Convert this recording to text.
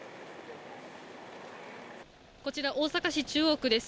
こちら、大阪市中央区です。